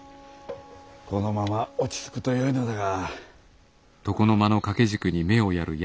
このまま落ち着くとよいのだが。